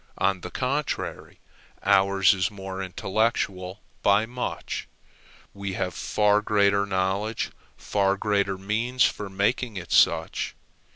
On the contrary, ours is the more intellectual by much; we have far greater knowledge, far greater means for making it such.